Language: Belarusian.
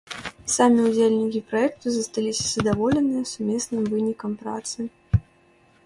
Самі ўдзельнікі праекту засталіся задаволеныя сумесным вынікам працы.